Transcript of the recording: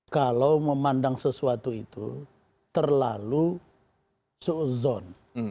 kalau memandang sesuatu itu terlalu su'uzon